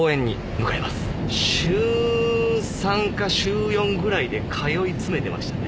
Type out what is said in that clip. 週３か週４ぐらいで通い詰めてましたね。